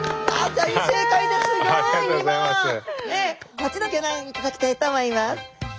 こちらギョ覧いただきたいと思います。